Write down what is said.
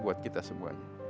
buat kita semua